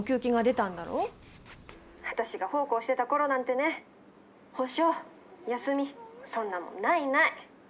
「私が奉公してた頃なんてね補償休みそんなもんないない」。